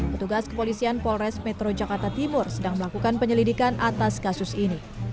petugas kepolisian polres metro jakarta timur sedang melakukan penyelidikan atas kasus ini